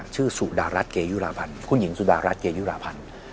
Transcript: กับพักของผมเนี่ยชื่อสุดารัสเกยุราพันธ์คุณหญิงสุดารัสเกยุราพันธ์